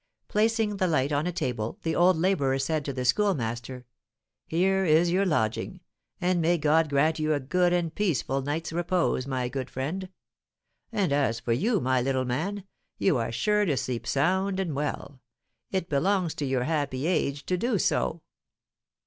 Placing the light on a table, the old labourer said to the Schoolmaster, "Here is your lodging, and may God grant you a good and peaceful night's repose, my good friend. As for you, my little man, you are sure to sleep sound and well; it belongs to your happy age to do so."